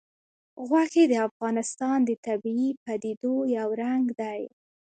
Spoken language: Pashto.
غوښې د افغانستان د طبیعي پدیدو یو رنګ دی.